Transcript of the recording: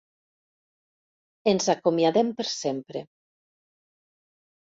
Ens acomiadem per sempre.